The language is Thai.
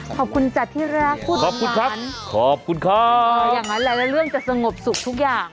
ขอบคุณจักรที่รักคุณว่าง่านนะครับอย่างนั้นหลายเรื่องจะสงบสุขทุกอย่าง